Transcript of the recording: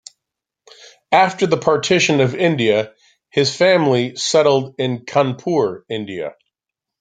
After the partition of India, his family settled in Kanpur, India.